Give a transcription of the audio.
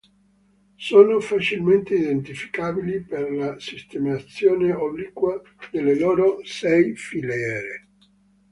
Sono facilmente identificabili per la sistemazione obliqua delle loro sei filiere.